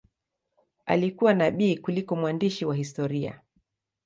Alikuwa nabii kuliko mwandishi wa historia.